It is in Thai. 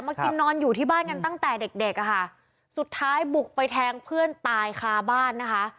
กินนอนอยู่ที่บ้านกันตั้งแต่เด็กเด็กอ่ะค่ะสุดท้ายบุกไปแทงเพื่อนตายคาบ้านนะคะ